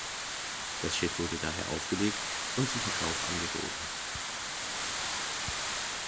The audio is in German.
Das Schiff wurde daher aufgelegt und zum Verkauf angeboten.